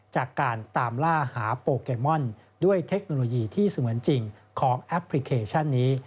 จากการตามล่าหาโปเกมอนด้วยเทคโนโลยีที่เสมือนจริงของแอปพลิเคชันนี้